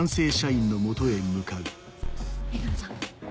目黒さん。